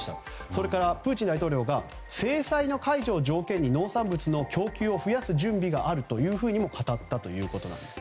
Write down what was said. それから、プーチン大統領が制裁の解除を条件に農産物の供給を増やす準備があると語ったということです。